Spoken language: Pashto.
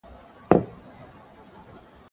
که ښوونکي هڅه وکړي، نو زده کونکې هم هڅه کوي.